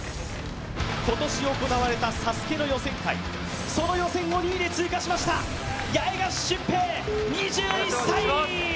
今年行われたＳＡＳＵＫＥの予選会、その予選を２位で通過しました、八重樫俊平２１歳。